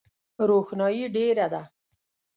روښنایي ډېره ده .